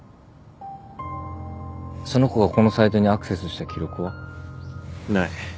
その子がこのサイトにアクセスした記録は？ない。